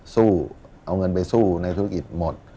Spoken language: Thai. สู้เอาเงินไปสู้ในธุรกิจหมด